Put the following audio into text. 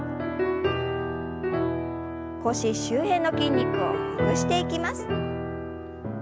腰周辺の筋肉をほぐしていきます。